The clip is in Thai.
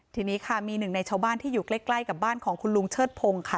ทีนี้ค่ะมีหนึ่งในชาวบ้านที่อยู่ใกล้กับบ้านของคุณลุงเชิดพงศ์ค่ะ